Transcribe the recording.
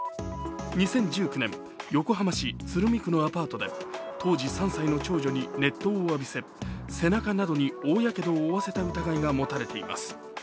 ２０１９年、横浜市鶴見区のアパートで当時３歳の長女に熱湯を浴びせ背中などに大やけどを負わせた疑いがもたれています。